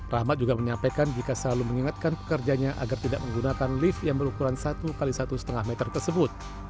rahmat juga menyampaikan jika selalu mengingatkan pekerjanya agar tidak menggunakan lift yang berukuran satu x satu lima meter tersebut